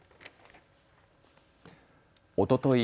おととい